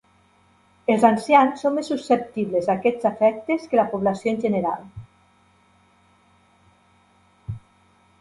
Els ancians són més susceptibles a aquests efectes que la població en general.